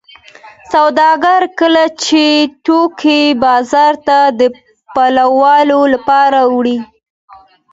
سوداګر کله چې توکي بازار ته د پلورلو لپاره وړي